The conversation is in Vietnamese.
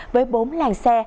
với bốn làng xe